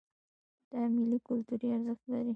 دا میلې کلتوري ارزښت لري.